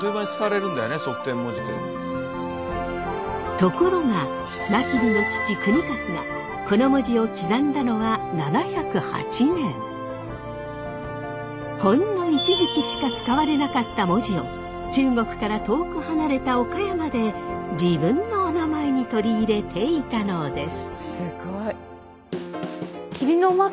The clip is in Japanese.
ところが真備の父ほんの一時期しか使われなかった文字を中国から遠く離れた岡山で自分のおなまえに取り入れていたのです。